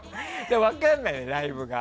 分かんないよね、ライブが。